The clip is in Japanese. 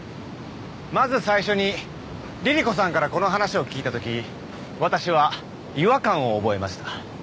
まず最初にリリ子さんからこの話を聞いたとき私は違和感を覚えました